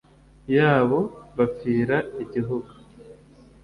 ya bo bapfira igihugu.